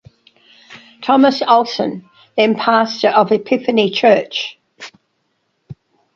Thomas Olsen, then pastor of Epiphany Church.